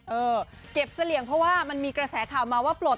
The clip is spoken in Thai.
เออเก็บเสลี่ยงเพราะว่ามันมีกระแสข่าวมาว่าปลด